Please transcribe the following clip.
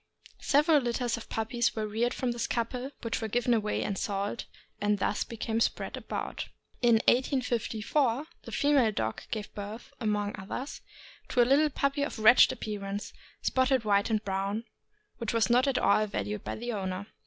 Several litters of puppies were reared from this couple, which were given away and sold, and thus became spread about. In 1854 the female dog gave birth, among others, to a little puppy of wretched appearance, spotted white and brown, which was not at all valued by the owner.